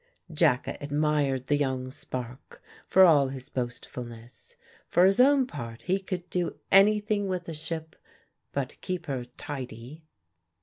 Jacka admired the young spark, for all his boastfulness; for his own part he could do anything with a ship but keep her tidy.